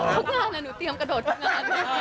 ทุกงานหนูเตรียมกระโดดทุกงาน